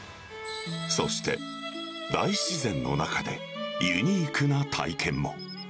そして、大自然の中で、ユニークな体験も。